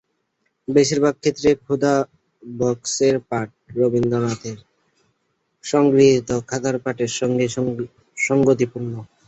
বেশির ভাগ ক্ষেত্রে খোদা বক্সের পাঠ রবীন্দ্রনাথের সংগৃহীত খাতার পাঠের সঙ্গে সংগতিপূর্ণ।